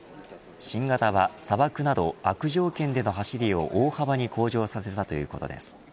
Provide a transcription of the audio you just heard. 新型は砂漠など悪条件での走りを大幅に向上させたということです。